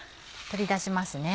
取り出しますね。